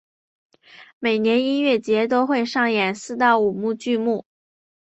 每年音乐节都会上演四到五幕剧目。